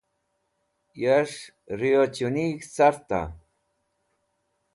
Yas̃h riochunig̃h carta?